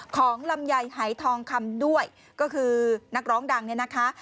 ของลำไยหายทองคำด้วยก็คือนักร้องดังเนี่ยนะคะ